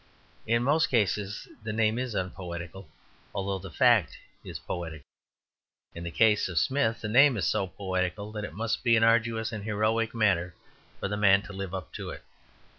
In most cases the name is unpoetical, although the fact is poetical. In the case of Smith, the name is so poetical that it must be an arduous and heroic matter for the man to live up to it.